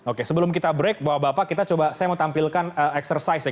oke sebelum kita break bapak bapak kita coba saya mau tampilkan exercise ya